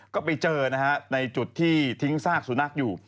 ก็ไปเจอนะฮะในจุดที่ทิ้งซากสุนัขอยู่